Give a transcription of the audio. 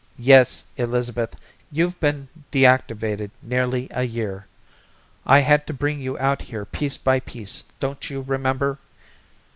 Yes, Elizabeth. You've been deactivated nearly a year. I had to bring you out here piece by piece, don't you remember?